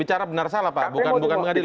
bicara benar salah pak bukan mengadili